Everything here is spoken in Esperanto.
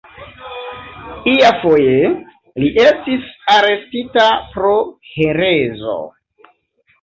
Iafoje li estis arestita pro herezo.